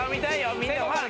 みんなファン。